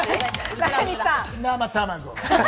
生卵。